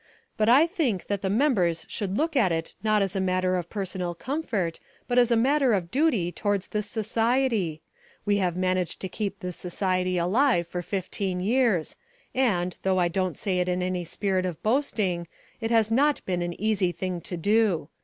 But I think that the members should look at it not as a matter of personal comfort but as a matter of duty towards this society. We have managed to keep this society alive for fifteen years and, though I don't say it in any spirit of boasting, it has not been an easy thing to do.